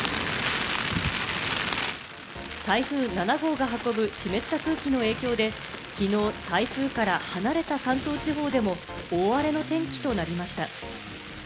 台風７号が運ぶ湿った空気の影響で、きのう台風から離れた関東地方でも大荒れの天気となりました。